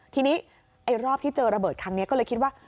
ทีนี้ไอ้รอบที่เจอระเบิดครั้งนี้ก็เลยคิดว่า